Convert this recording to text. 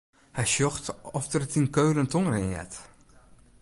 Hy sjocht oft er it yn Keulen tongerjen heart.